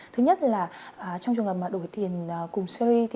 thứ nhất là trong trường hợp đổi tiền cùng series